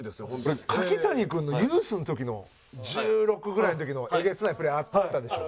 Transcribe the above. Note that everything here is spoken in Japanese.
俺柿谷君のユースの時の１６ぐらいの時のえげつないプレーあったでしょ。